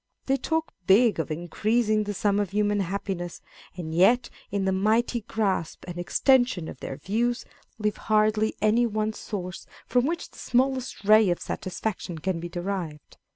They talk big of increasing the sum of human happiness, and yet in the mighty grasp and extension of their views, leave hardly any one source from which the smallest ray of satisfaction can be derived.